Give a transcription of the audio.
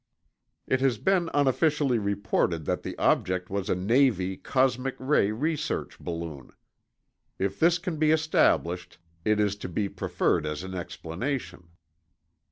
It has been unofficially reported that the object was a Navy cosmic ray research balloon. If this can be established, it Is to be preferred as an explanation.